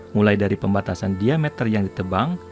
mulai dari pembatasan diameter yang ditebang